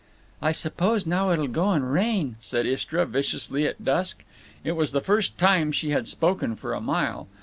"I suppose now it'll go and rain," said Istra, viciously, at dusk. It was the first time she had spoken for a mile.